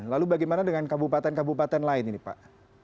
lalu bagaimana dengan kabupaten kabupaten lain ini pak